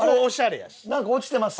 なんか落ちてます